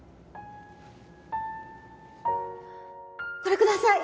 これください！